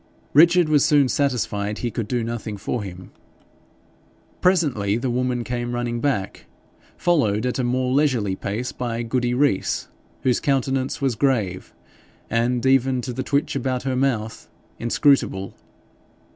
Richard was soon satisfied he could do nothing for him. Presently the woman came running back, followed at a more leisurely pace by Goody Rees, whose countenance was grave, and, even to the twitch about her mouth, inscrutable.